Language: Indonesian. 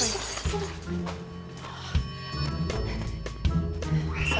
udah udah susah